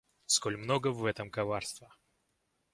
Сколь много в этом коварства!